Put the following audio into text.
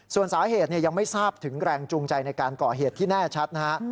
ส่วนสาเหตุยังไม่ทราบถึงแรงจูงใจในการก่อเหตุที่แน่ชัดนะฮะ